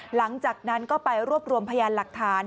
หลังจากนั้นก็ไปรวบรวมพยานหลักฐาน